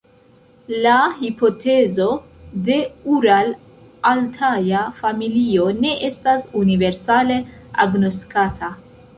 La hipotezo de ural-altaja familio ne estas universale agnoskata.